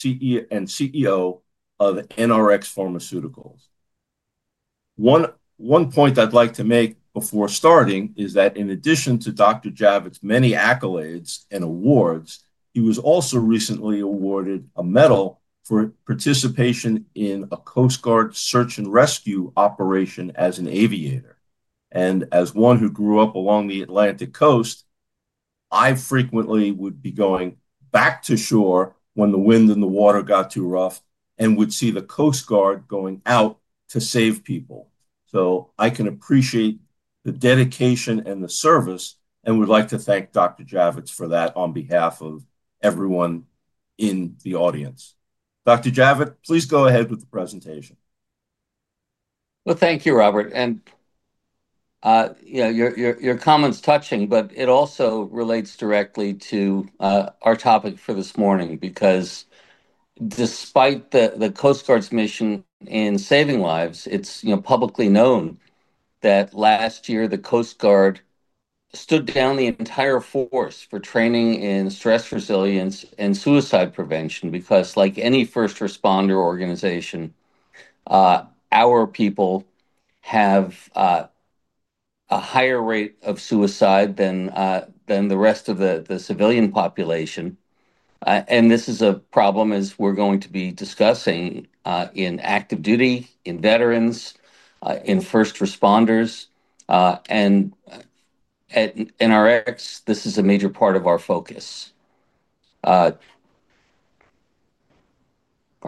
CEO and CEO of NRx Pharmaceuticals. One point I'd like to make before starting is that in addition to Dr. Javitt's many accolades and awards, he was also recently awarded a medal for participation in a Coast Guard search and rescue operation as an aviator. As one who grew up along the Atlantic Coast, I frequently would be going back to shore when the wind and the water got too rough and would see the Coast Guard going out to save people. I can appreciate the dedication and the service and would like to thank Dr. Javitt for that on behalf of everyone in the audience. Dr. Javitt, please go ahead with the presentation. Thank you, Robert. Your comment's touching, but it also relates directly to our topic for this morning because despite the Coast Guard's mission in saving lives, it's publicly known that last year the Coast Guard stood down the entire force for training in stress resilience and suicide prevention because, like any first responder organization, our people have a higher rate of suicide than the rest of the civilian population. This is a problem as we're going to be discussing in active duty, in veterans, in first responders, and at NRx, this is a major part of our focus. Are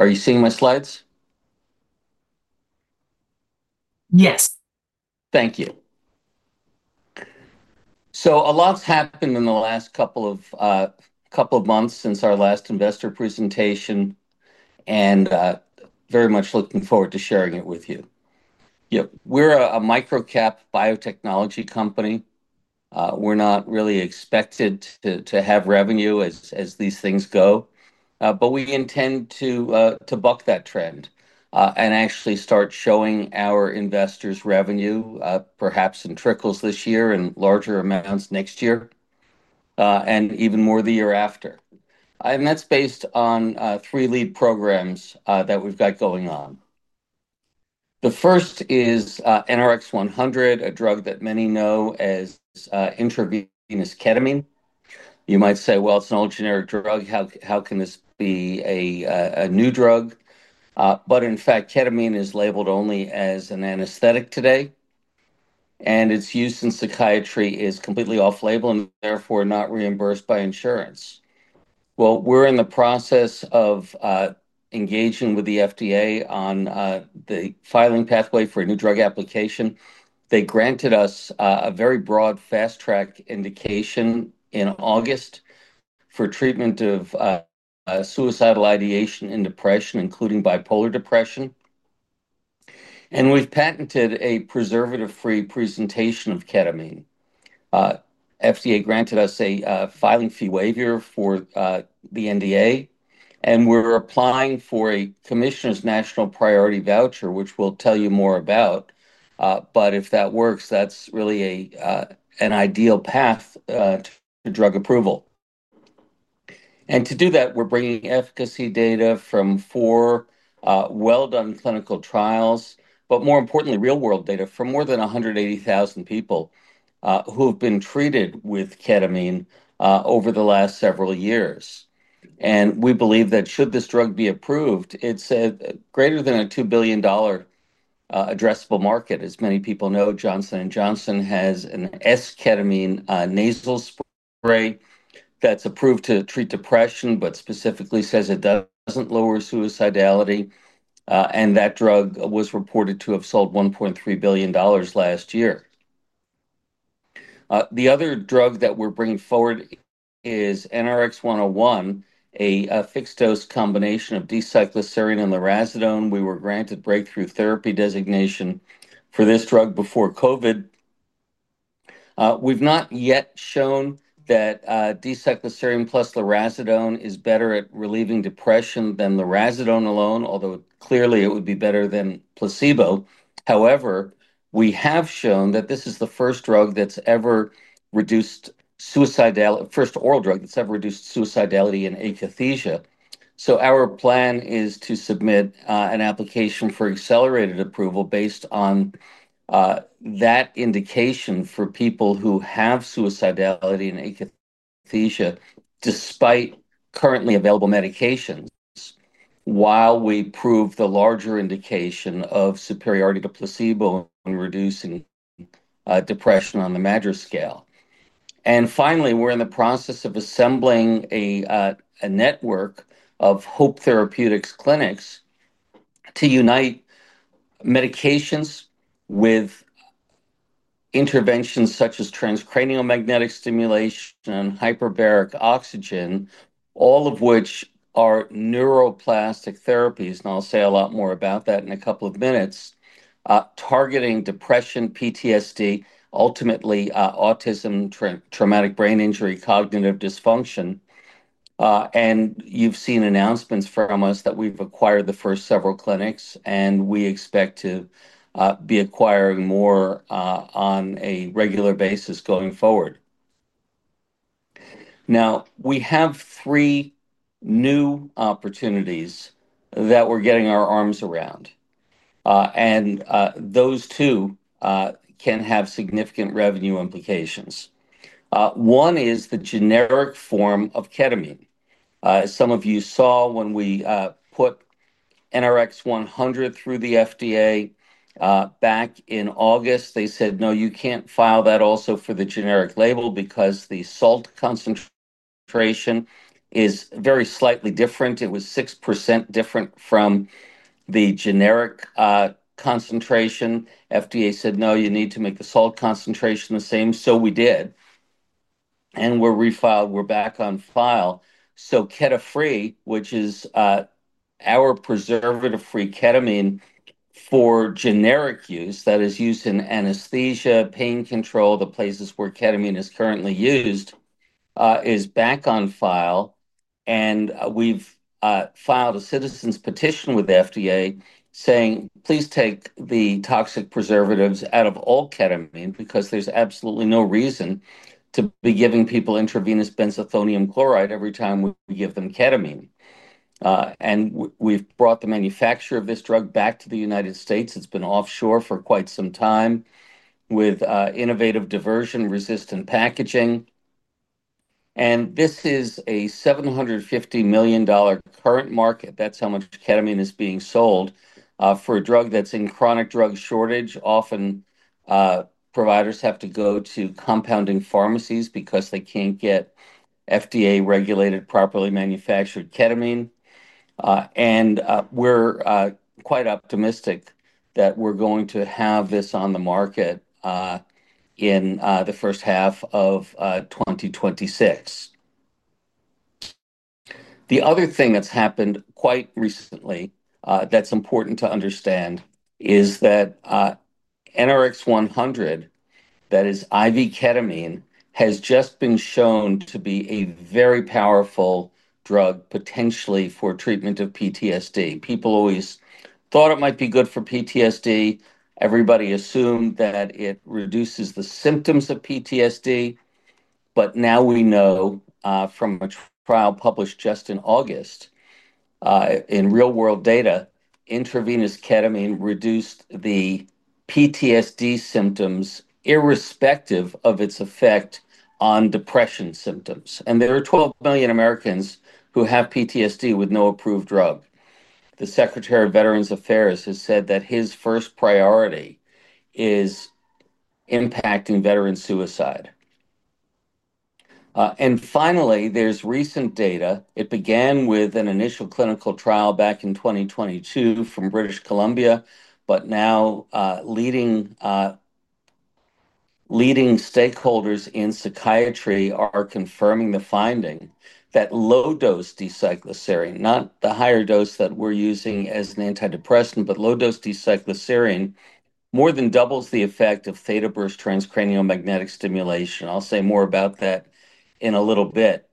you seeing my slides? Yes. Thank you. A lot's happened in the last couple of months since our last investor presentation and very much looking forward to sharing it with you. Yeah, we're a micro-cap biotechnology company. We're not really expected to have revenue as these things go, but we intend to buck that trend and actually start showing our investors revenue, perhaps in trickles this year and larger amounts next year and even more the year after. That's based on three lead programs that we've got going on. The first is NRX-100, a drug that many know as intravenous ketamine. You might say, well, it's an old generic drug. How can this be a new drug? In fact, ketamine is labeled only as an anesthetic today. Its use in psychiatry is completely off-label and therefore not reimbursed by insurance. We're in the process of engaging with the FDA on the filing pathway for a new drug application. They granted us a very broad fast-track indication in August for treatment of suicidal ideation and depression, including bipolar depression. We've patented a preservative-free presentation of ketamine. FDA granted us a filing fee waiver for the NDA, and we're applying for a Commissioner's National Priority Voucher, which we'll tell you more about. If that works, that's really an ideal path to drug approval. To do that, we're bringing efficacy data from four well-done clinical trials, but more importantly, real-world data from more than 180,000 people who have been treated with ketamine over the last several years. We believe that should this drug be approved, it's a greater than $2 billion addressable market. As many people know, Johnson & Johnson has an esketamine nasal spray that's approved to treat depression, but specifically says it doesn't lower suicidality. That drug was reported to have sold $1.3 billion last year. The other drug that we're bringing forward is NRX-101, a fixed-dose combination of D-cycloserine and lurasidone. We were granted breakthrough therapy designation for this drug before COVID. We've not yet shown that D-cycloserine plus lurasidone is better at relieving depression than lurasidone alone, although clearly it would be better than placebo. However, we have shown that this is the first drug that's ever reduced suicidality, first oral drug that's ever reduced suicidality in akathisia. Our plan is to submit an application for accelerated approval based on that indication for people who have suicidality and akathisia despite currently available medications while we prove the larger indication of superiority to placebo in reducing depression on the major scale. Finally, we're in the process of assembling a network of HOPE Therapeutics clinics to unite medications with interventions such as transcranial magnetic stimulation and hyperbaric oxygen, all of which are neuroplastic therapies. I'll say a lot more about that in a couple of minutes, targeting depression, PTSD, ultimately, autism, traumatic brain injury, cognitive dysfunction. You've seen announcements from us that we've acquired the first several clinics, and we expect to be acquiring more on a regular basis going forward. We have three new opportunities that we're getting our arms around. Those too can have significant revenue implications. One is the generic form of ketamine. As some of you saw when we put NRX-100 through the FDA back in August, they said, no, you can't file that also for the generic label because the salt concentration is very slightly different. It was 6% different from the generic concentration. FDA said, no, you need to make the salt concentration the same. We did. We're refiled. We're back on file. KETAFREE, which is our preservative-free ketamine for generic use, that is used in anesthesia, pain control, the places where ketamine is currently used, is back on file. We've filed a citizen's petition with the FDA saying, please take the toxic preservatives out of all ketamine because there's absolutely no reason to be giving people intravenous benzethonium chloride every time we give them ketamine. We've brought the manufacturer of this drug back to the United States. It's been offshore for quite some time with innovative diversion-resistant packaging. This is a $750 million current market. That's how much ketamine is being sold for a drug that's in chronic drug shortage. Often, providers have to go to compounding pharmacies because they can't get FDA-regulated, properly manufactured ketamine. We're quite optimistic that we're going to have this on the market in the first half of 2026. The other thing that's happened quite recently that's important to understand is that NRX-100, that is IV ketamine, has just been shown to be a very powerful drug potentially for treatment of PTSD. People always thought it might be good for PTSD. Everybody assumed that it reduces the symptoms of PTSD. Now we know from a trial published just in August in real-world data, intravenous ketamine reduced the PTSD symptoms irrespective of its effect on depression symptoms. There are 12 million Americans who have PTSD with no approved drug. The Secretary of Veterans Affairs has said that his first priority is impacting veteran suicide. There is recent data. It began with an initial clinical trial back in 2022 from British Columbia, but now leading stakeholders in psychiatry are confirming the finding that low-dose D-cycloserine, not the higher dose that we're using as an antidepressant, but low-dose D-cycloserine more than doubles the effect of theta burst transcranial magnetic stimulation. I'll say more about that in a little bit.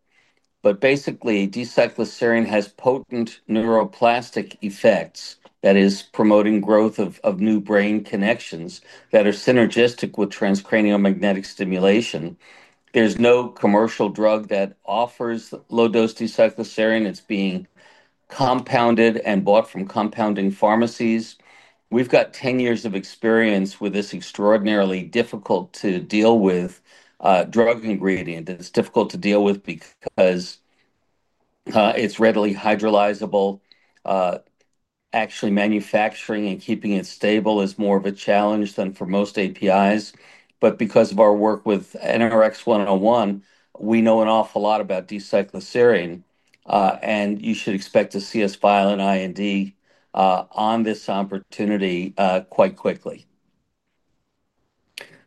Basically, D-cycloserine has potent neuroplastic effects, that is, promoting growth of new brain connections that are synergistic with transcranial magnetic stimulation. There is no commercial drug that offers low-dose D-cycloserine. It's being compounded and bought from compounding pharmacies. We've got 10 years of experience with this extraordinarily difficult-to-deal-with drug ingredient. It's difficult to deal with because it's readily hydrolyzable. Actually, manufacturing and keeping it stable is more of a challenge than for most APIs. Because of our work with NRX-101, we know an awful lot about D-cycloserine. You should expect to see us file an IND on this opportunity quite quickly.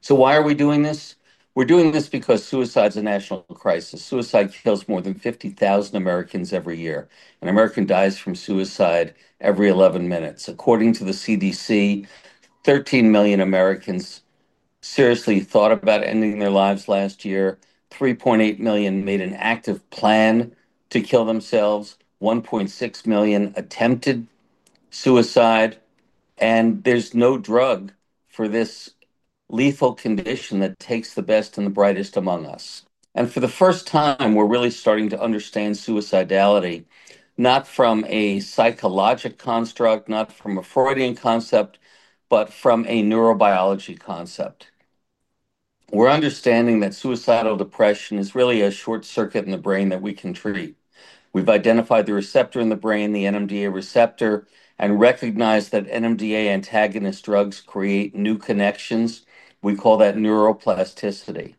Why are we doing this? We're doing this because suicide is a national crisis. Suicide kills more than 50,000 Americans every year. An American dies from suicide every 11 minutes. According to the CDC, 13 million Americans seriously thought about ending their lives last year. 3.8 million made an active plan to kill themselves. 1.6 million attempted suicide. There is no drug for this lethal condition that takes the best and the brightest among us. For the first time, we're really starting to understand suicidality, not from a psychologic construct, not from a Freudian concept, but from a neurobiology concept. We're understanding that suicidal depression is really a short circuit in the brain that we can treat. We've identified the receptor in the brain, the NMDA receptor, and recognize that NMDA antagonist drugs create new connections. We call that neuroplasticity.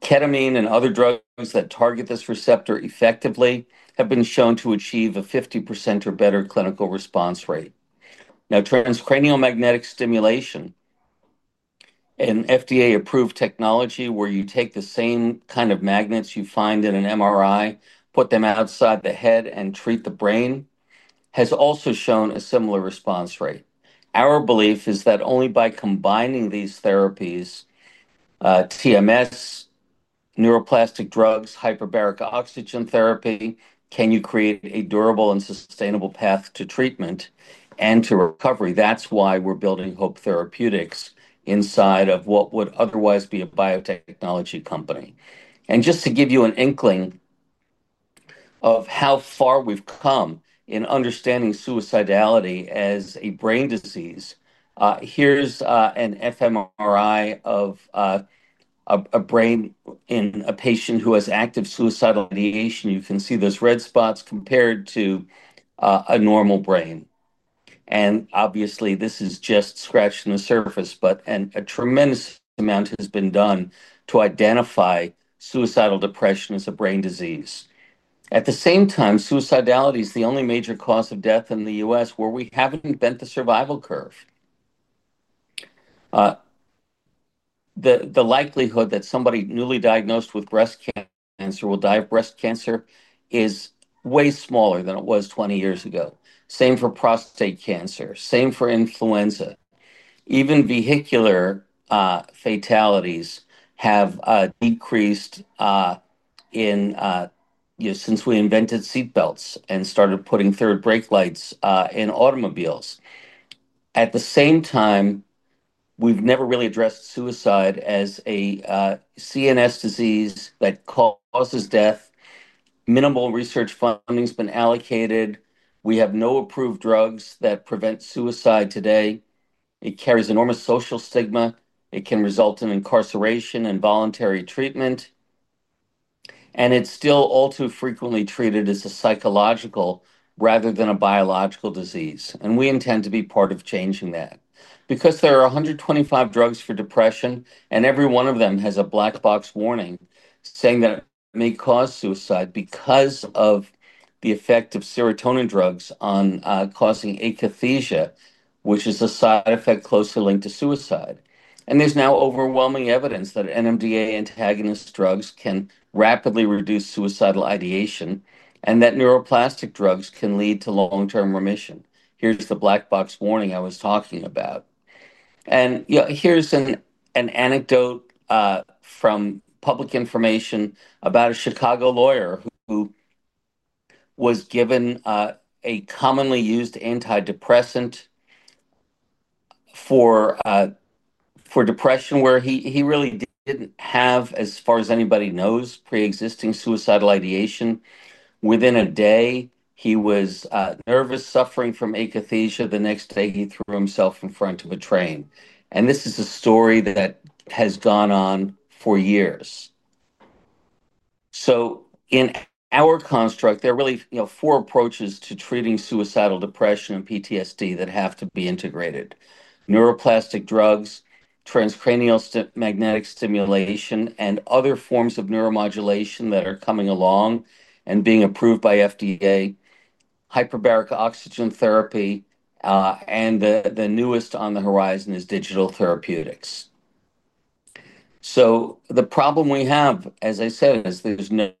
Ketamine and other drugs that target this receptor effectively have been shown to achieve a 50% or better clinical response rate. Now, transcranial magnetic stimulation, an FDA-approved technology where you take the same kind of magnets you find in an MRI, put them outside the head, and treat the brain, has also shown a similar response rate. Our belief is that only by combining these therapies—TMS, neuroplastic drugs, hyperbaric oxygen therapy—can you create a durable and sustainable path to treatment and to recovery. That is why we are building HOPE Therapeutics inside of what would otherwise be a biotechnology company. Just to give you an inkling of how far we have come in understanding suicidality as a brain disease, here is an fMRI of a brain in a patient who has active suicidal ideation. You can see those red spots compared to a normal brain. Obviously, this is just scratching the surface, but a tremendous amount has been done to identify suicidal depression as a brain disease. At the same time, suicidality is the only major cause of death in the U.S. where we have not invented the survival curve. The likelihood that somebody newly diagnosed with breast cancer will die of breast cancer is way smaller than it was 20 years ago. Same for prostate cancer. Same for influenza. Even vehicular fatalities have decreased since we invented seat belts and started putting third brake lights in automobiles. At the same time, we have never really addressed suicide as a CNS disease that causes death. Minimal research funding has been allocated. We have no approved drugs that prevent suicide today. It carries enormous social stigma. It can result in incarceration and voluntary treatment. It is still ultra-frequently treated as a psychological rather than a biological disease. We intend to be part of changing that. There are 125 drugs for depression, and every one of them has a black box warning saying that it may cause suicide because of the effect of serotonin drugs on causing akathisia, which is a side effect closely linked to suicide. There is now overwhelming evidence that NMDA antagonist drugs can rapidly reduce suicidal ideation and that neuroplastic drugs can lead to long-term remission. Here is the black box warning I was talking about. Here's an anecdote from public information about a Chicago lawyer who was given a commonly used antidepressant for depression, where he really didn't have, as far as anybody knows, pre-existing suicidal ideation. Within a day, he was nervous, suffering from akathisia. The next day, he threw himself in front of a train. This is a story that has gone on for years. In our construct, there are really four approaches to treating suicidal depression and PTSD that have to be integrated: neuroplastic drugs, transcranial magnetic stimulation, and other forms of neuromodulation that are coming along and being approved by the FDA, hyperbaric oxygen therapy, and the newest on the horizon is digital therapeutics. The problem we have, as I said, is there's no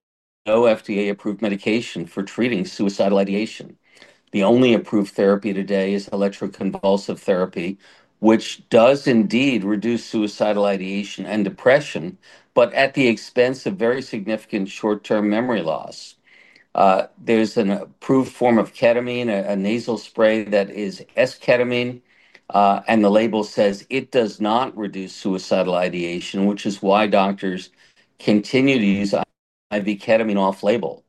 FDA-approved medication for treating suicidal ideation. The only approved therapy today is electroconvulsive therapy, which does indeed reduce suicidal ideation and depression, but at the expense of very significant short-term memory loss. There's an approved form of ketamine, a nasal spray that is esketamine, and the label says it does not reduce suicidal ideation, which is why doctors continue to use IV ketamine off-label.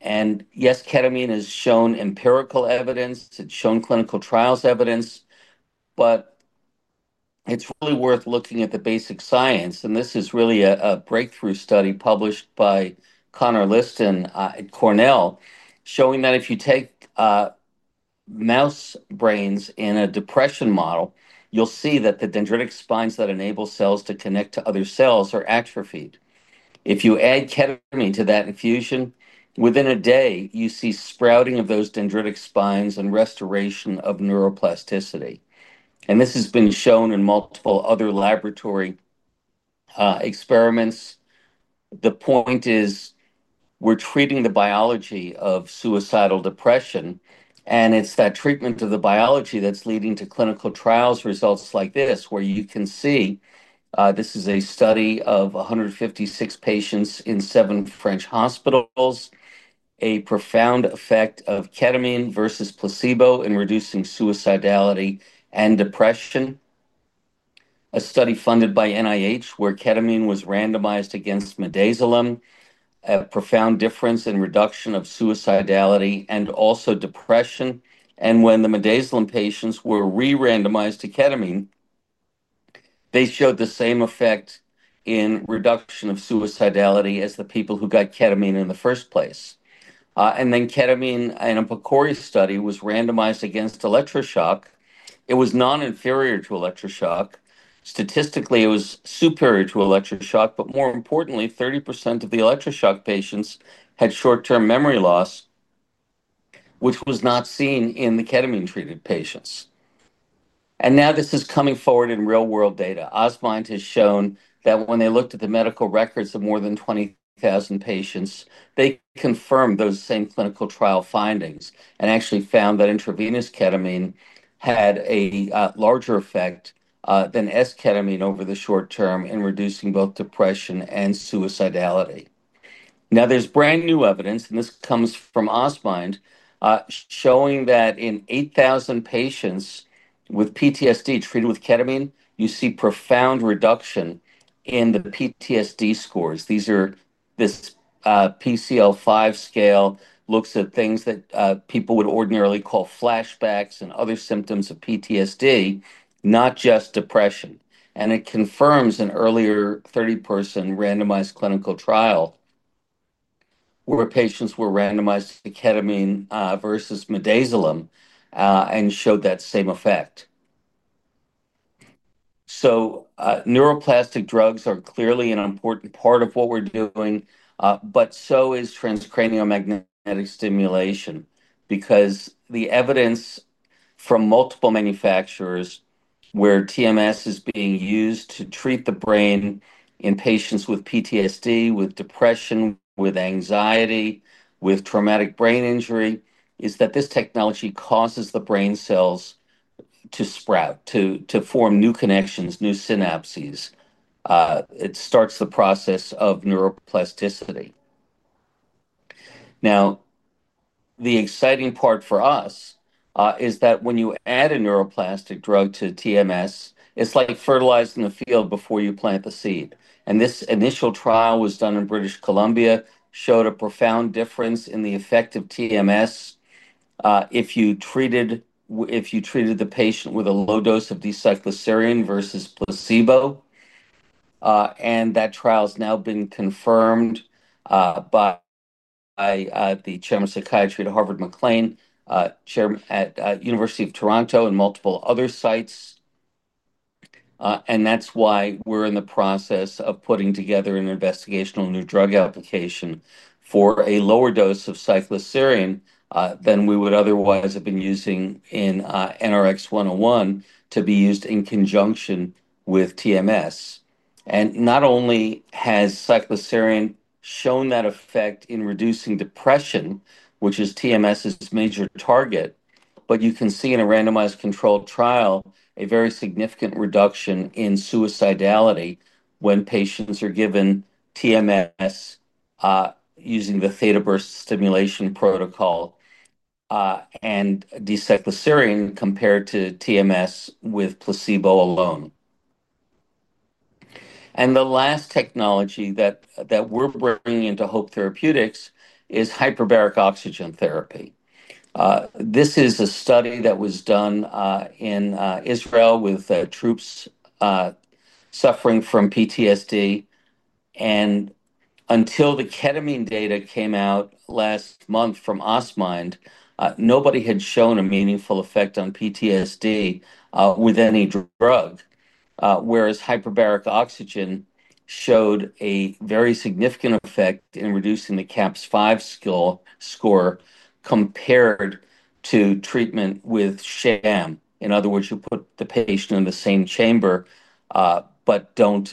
Yes, ketamine has shown empirical evidence. It's shown clinical trials evidence. It's really worth looking at the basic science. This is really a breakthrough study published by Conor Liston at Cornell, showing that if you take mouse brains in a depression model, you'll see that the dendritic spines that enable cells to connect to other cells are atrophied. If you add ketamine to that infusion, within a day, you see sprouting of those dendritic spines and restoration of neuroplasticity. This has been shown in multiple other laboratory experiments. The point is we're treating the biology of suicidal depression. It's that treatment of the biology that's leading to clinical trials results like this, where you can see this is a study of 156 patients in seven French hospitals, a profound effect of ketamine versus placebo in reducing suicidality and depression. A study funded by NIH where ketamine was randomized against midazolam, a profound difference in reduction of suicidality and also depression. When the midazolam patients were re-randomized to ketamine, they showed the same effect in reduction of suicidality as the people who got ketamine in the first place. Then ketamine, an empirical study, was randomized against electroshock. It was non-inferior to electroshock. Statistically, it was superior to electroshock. More importantly, 30% of the electroshock patients had short-term memory loss, which was not seen in the ketamine-treated patients. Now this is coming forward in real-world data. Osmind has shown that when they looked at the medical records of more than 20,000 patients, they confirmed those same clinical trial findings and actually found that intravenous ketamine had a larger effect than esketamine over the short-term in reducing both depression and suicidality. Now there's brand new evidence, and this comes from Osmind, showing that in 8,000 patients with PTSD treated with ketamine, you see profound reduction in the PTSD scores. The PCL-5 scale looks at things that people would ordinarily call flashbacks and other symptoms of PTSD, not just depression. It confirms an earlier 30-person randomized clinical trial where patients were randomized to ketamine versus midazolam and showed that same effect. Neuroplastic drugs are clearly an important part of what we're doing, but so is transcranial magnetic stimulation because the evidence from multiple manufacturers where TMS is being used to treat the brain in patients with PTSD, with depression, with anxiety, with traumatic brain injury is that this technology causes the brain cells to sprout, to form new connections, new synapses. It starts the process of neuroplasticity. The exciting part for us is that when you add a neuroplastic drug to TMS, it's like fertilizing the field before you plant the seed. This initial trial was done in British Columbia, showed a profound difference in the effect of TMS if you treated the patient with a low dose of D-cycloserine versus placebo. That trial has now been confirmed by the Chair of Psychiatry at Harvard McLean, Chair at the University of Toronto, and multiple other sites. That's why we're in the process of putting together an investigational new drug application for a lower dose of cycloserine than we would otherwise have been using in NRX-101 to be used in conjunction with TMS. Not only has cycloserine shown that effect in reducing depression, which is TMS' major target, but you can see in a randomized controlled trial a very significant reduction in suicidality when patients are given TMS using the theta burst stimulation protocol and D-cycloserine compared to TMS with placebo alone. The last technology that we're bringing into HOPE Therapeutics is hyperbaric oxygen therapy. This is a study that was done in Israel with troops suffering from PTSD. Until the ketamine data came out last month from Osmind, nobody had shown a meaningful effect on PTSD with any drug, whereas hyperbaric oxygen showed a very significant effect in reducing the CAPS-5 score compared to treatment with sham. In other words, you put the patient in the same chamber but don't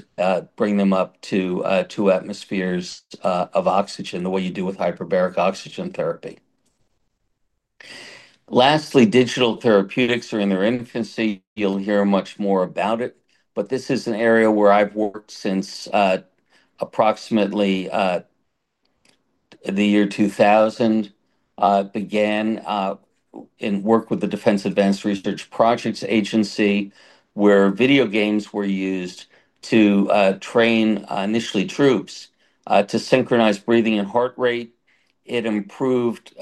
bring them up to two atmospheres of oxygen the way you do with hyperbaric oxygen therapy. Digital therapeutics are in their infancy. You'll hear much more about it. This is an area where I've worked since approximately the year 2000, began in work with the Defense Advanced Research Projects Agency, where video games were used to train initially troops to synchronize breathing and heart rate. It improved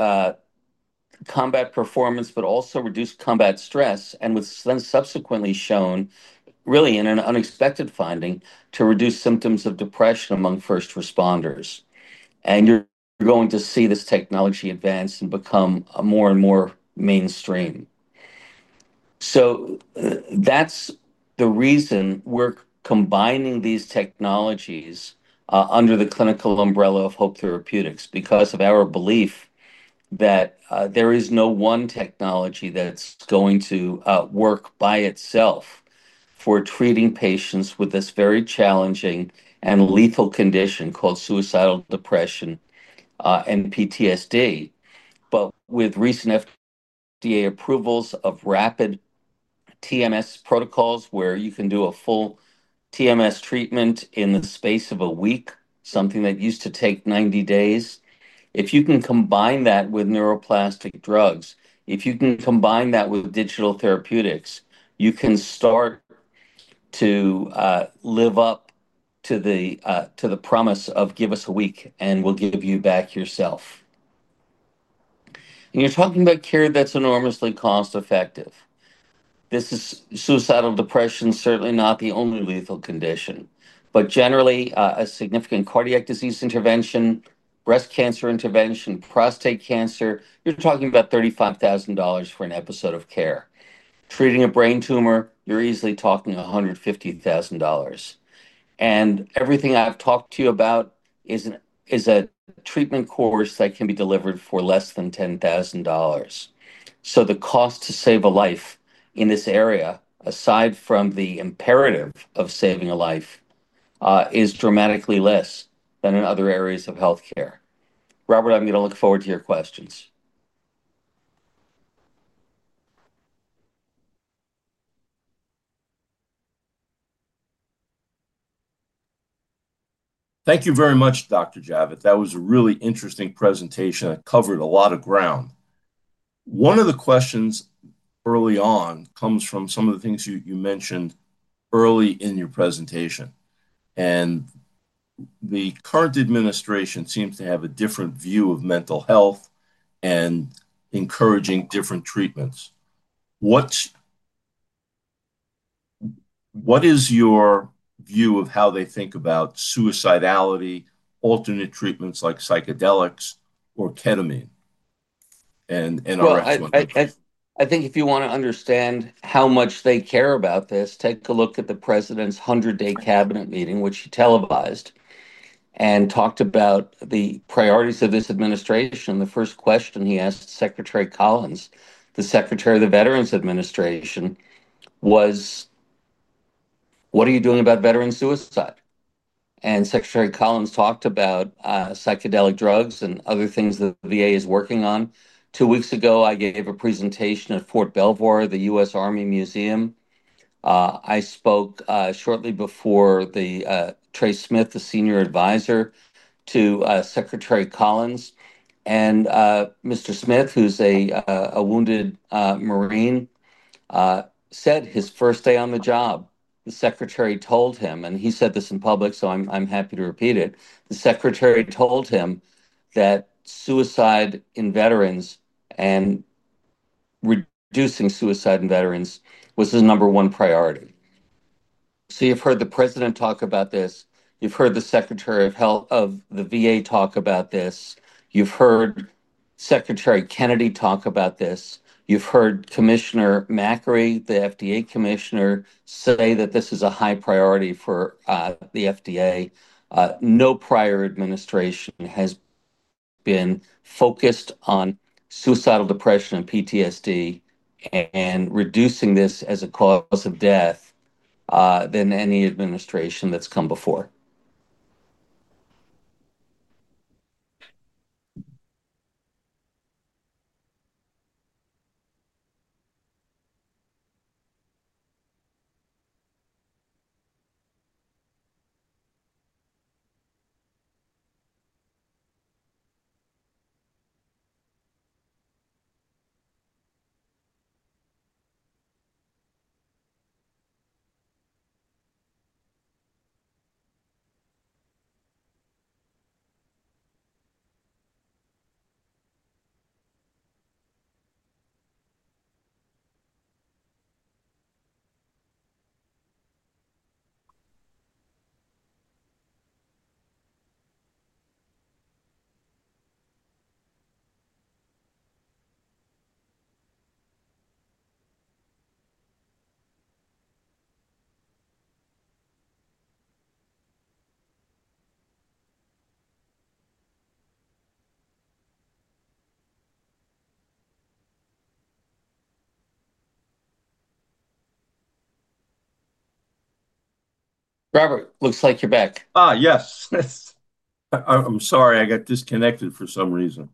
combat performance but also reduced combat stress and was then subsequently shown, really in an unexpected finding, to reduce symptoms of depression among first responders. You're going to see this technology advance and become more and more mainstream. That's the reason we're combining these technologies under the clinical umbrella of HOPE Therapeutics because of our belief that there is no one technology that's going to work by itself for treating patients with this very challenging and lethal condition called suicidal depression and PTSD. With recent FDA approvals of rapid TMS protocols where you can do a full TMS treatment in the space of a week, something that used to take 90 days, if you can combine that with neuroplastic drugs, if you can combine that with digital therapeutics, you can start to live up to the promise of give us a week and we'll give you back yourself. You're talking about care that's enormously cost-effective. This is suicidal depression, certainly not the only lethal condition. Generally, a significant cardiac disease intervention, breast cancer intervention, prostate cancer, you're talking about $35,000 for an episode of care. Treating a brain tumor, you're easily talking $150,000. Everything I've talked to you about is a treatment course that can be delivered for less than $10,000. The cost to save a life in this area, aside from the imperative of saving a life, is dramatically less than in other areas of health care. Robert, I'm going to look forward to your questions. Thank you very much, Dr. Javitt. That was a really interesting presentation. It covered a lot of ground. One of the questions early on comes from some of the things you mentioned early in your presentation. The current administration seems to have a different view of mental health and encourages different treatments. What is your view of how they think about suicidality, alternate treatments like psychedelics or ketamine? If you want to understand how much they care about this, take a look at the President's 100-day Cabinet meeting, which he televised, and talked about the priorities of this administration. The first question he asked Secretary Collins, the Secretary of the Veterans Administration, was, what are you doing about veteran suicide? Secretary Collins talked about psychedelic drugs and other things that the VA is working on. Two weeks ago, I gave a presentation at Fort Belvoir, the U.S. Army Museum. I spoke shortly before [Tres Smith], the Senior Advisor to Secretary Collins. Mr. Smith, who's a wounded Marine, said his first day on the job, the Secretary told him, and he said this in public, so I'm happy to repeat it. The Secretary told him that suicide in veterans and reducing suicide in veterans was his number one priority. You've heard the President talk about this. You've heard the Secretary of Health of the VA talk about this. You've heard Secretary Kennedy talk about this. You've heard Commissioner Makary, the FDA Commissioner, say that this is a high priority for the FDA. No prior administration has been focused on suicidal depression and PTSD and reducing this as a cause of death than any administration that's come before. Robert, looks like you're back. Yes. I'm sorry. I got disconnected for some reason.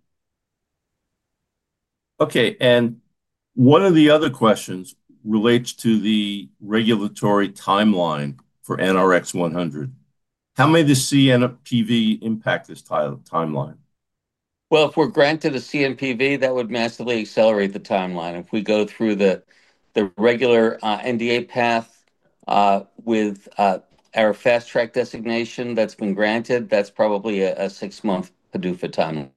One of the other questions relates to the regulatory timeline for NRX-100. How may the CNPV impact this timeline? If we're granted a CNPV, that would massively accelerate the timeline. If we go through the regular NDA path with our fast-track designation that's been granted, that's probably a six-month to do for timeline.